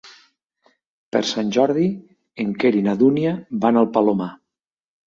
Per Sant Jordi en Quer i na Dúnia van al Palomar.